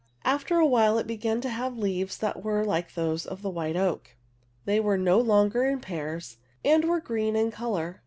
After a while it began to have leaves that were like those of the white oak. They were no longer in pairs and were green in color.